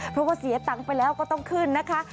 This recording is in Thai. เพราะว่าเสียตังค์ไปแล้วก็ต้องขึ้นนะคะ